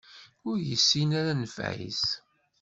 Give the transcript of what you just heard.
Ur yessin ara nnfeɛ-is.